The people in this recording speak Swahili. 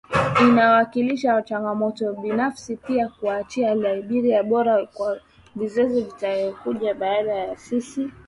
Inawakilisha changamoto binafsi pia kuiacha Liberia bora kwa vizazi vitakavyokuja baada ya sisi